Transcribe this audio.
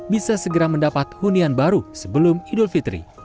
bisa segera mendapat hunian baru sebelum idul fitri